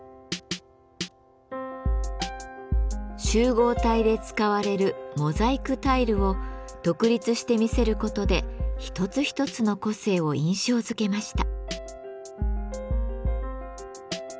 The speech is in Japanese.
集合体で使われるモザイクタイルを独立して見せることで一つ一つの個性を印象づけました。